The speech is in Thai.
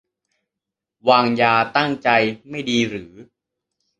- วางยา ตั้งใจไม่ดี หรือ